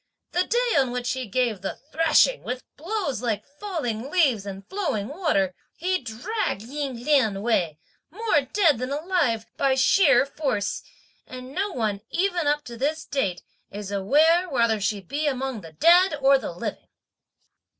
The day on which he gave the thrashing with blows like falling leaves and flowing water, he dragged (lit. pull alive, drag dead) Ying Lien away more dead than alive, by sheer force, and no one, even up to this date, is aware whether she be among the dead or the living.